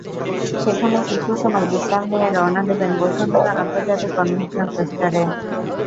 সেখানেই কিছু সময় বিশ্রাম নিয়ে রওনা দেবেন বসুন্ধরা আন্তর্জাতিক কনভেনশন সেন্টারে।